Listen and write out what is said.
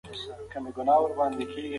مطالعه د انسان ذهن پراخوي